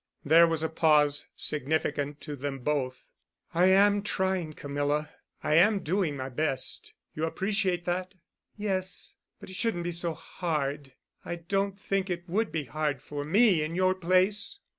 There was a pause—significant to them both. "I am trying, Camilla. I am doing my best. You appreciate that?" "Yes, but it shouldn't be so hard. I don't think it would be hard for me in your place!"